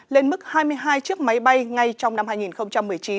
lên mức hai mươi hai chiếc máy bay ngay trong năm hai nghìn một mươi chín